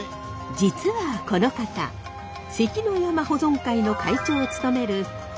実はこの方関の山車保存会の会長を務める浦野明博さん。